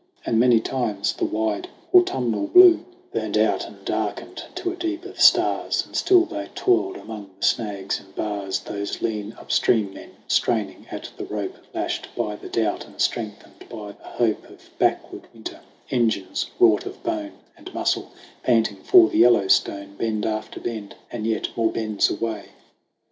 And many times the wide autumnal blue THE RETURN OF THE GHOST 97 Burned out and darkened to a deep of stars; And still they toiled among the snags and bars Those lean up stream men, straining at the rope, Lashed by the doubt and strengthened by the hope Of backward winter engines wrought of bone And muscle, panting for the Yellowstone, Bend after bend and yet more bends away.